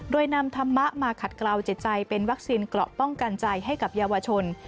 โดยนำธรรมะมาขัดกล่าวจิตใจเป็นวัคซีนเกราะป้องกันใจให้กับเยาวชน